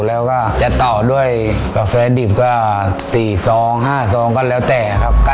แล้วจะต่อด้วยกาแฟดิบก็๔๕สองก็แล้วแต่